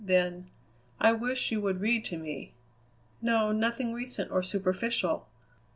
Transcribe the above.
Then: "I wish you would read to me. No; nothing recent or superficial.